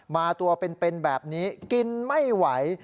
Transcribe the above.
มาตัวเป็นแบบนี้กินไม่ไหว